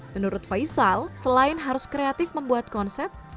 menurut faisal selain harus kreatif membuat konsep